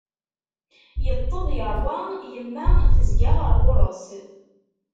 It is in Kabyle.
Yeṭṭeḍ yerwa, yemma tezga ɣer ɣur-s.